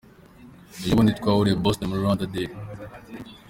Ejobundi twahuriye Boston muri Rwanda Day.